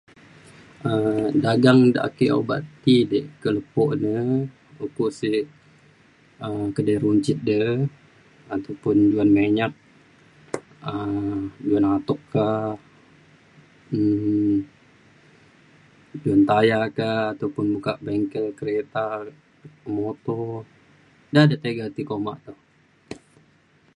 um dagang dak ake obak ti de ke lepo ne uko sek um kedai runcit de ataupun juan minyak um juan atuk ka um juan taya ka ataupun buka bengkel kereta moto ja je tiga ti kak uma te.